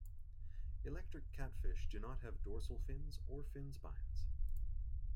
Electric catfish do not have dorsal fins or fin spines.